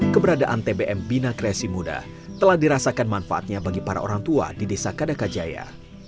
keberadaan tbm bina kreasi muda telah dirasakan manfaatnya bagi para orang tua di desa kadakajaya